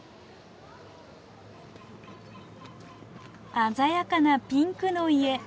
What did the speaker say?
鮮やかなピンクの家。